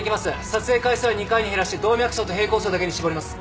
撮影回数は２回に減らして動脈相と平衡相だけに絞ります。